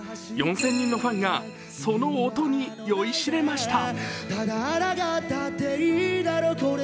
４０００人のファンが、その音に酔いしれました。